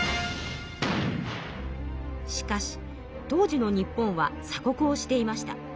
しかし当時の日本は鎖国をしていました。